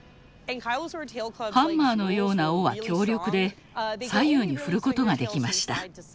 ハンマーのような尾は強力で左右に振ることができました。